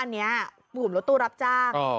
อันนี้ผมรถตู้รับจ้าง